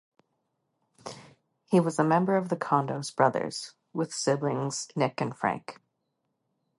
He was a member of the Condos Brothers, with siblings Nick and Frank.